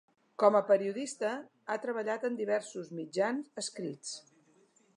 Com a periodista, ha treballat en diversos mitjans escrits.